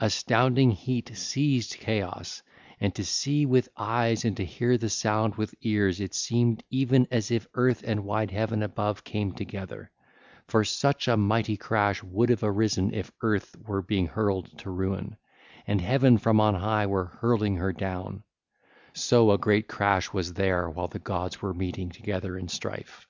Astounding heat seized Chaos: and to see with eyes and to hear the sound with ears it seemed even as if Earth and wide Heaven above came together; for such a mighty crash would have arisen if Earth were being hurled to ruin, and Heaven from on high were hurling her down; so great a crash was there while the gods were meeting together in strife.